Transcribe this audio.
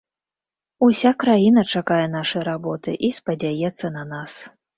Уся краіна чакае нашай работы і спадзяецца на нас.